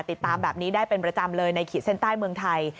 ติดตามแบบนี้ได้เป็นประจำเลยในขีดเส้นใต้เมืองไทย